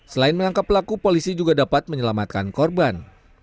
selain menangkap pelaku polisi juga dapat menyelamatkan korban